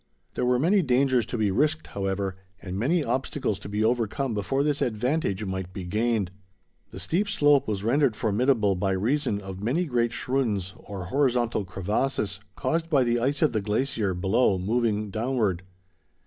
There were many dangers to be risked, however, and many obstacles to be overcome before this advantage might be gained. The steep slope was rendered formidable by reason of many great schrunds, or horizontal crevasses, caused by the ice of the glacier below, moving downward.